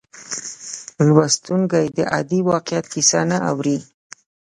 لوستونکی د عادي واقعیت کیسه نه اوري.